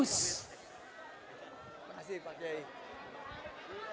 terima kasih pak kiai